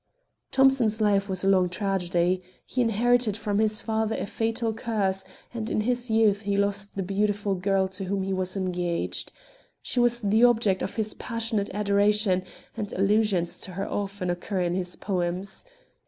Thomson's life was a long tragedy. He inherited from his father a fatal curse, and in his youth he lost the beautiful girl to whom he was engaged. She was the object of his passionate adoration, and allusions to her often occur in his poems.